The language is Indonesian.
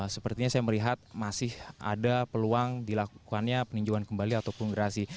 sepertinya saya melihat masih ada peluang dilakukannya peninjauan kembali ataupun gerasi